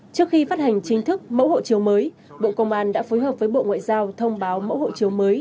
trước khi phát hành chính thức mẫu hộ chiếu mới bộ công an đã phối hợp với bộ ngoại giao thông báo mẫu hộ chiếu mới